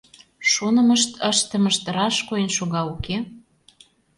Шонымышт, ыштымышт раш койын шога уке?